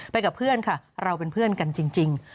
ไปกับเพื่อนค่ะเราเป็นเพื่อนกันจริง